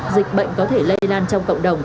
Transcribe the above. dịch bệnh có thể lây lan trong cộng đồng